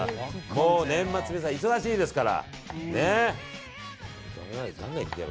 もう年末、皆さん忙しいですから。